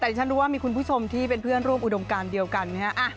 แต่ฉันรู้ว่ามีคุณผู้ชมที่เป็นเพื่อนร่วมอุดมการเดียวกันนะฮะ